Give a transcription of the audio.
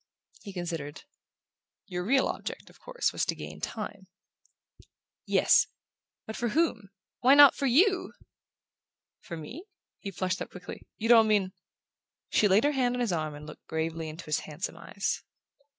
He considered. "Your real object, of course, was to gain time." "Yes but for whom? Why not for YOU?" "For me?" He flushed up quickly. "You don't mean ?" She laid her hand on his arm and looked gravely into his handsome eyes.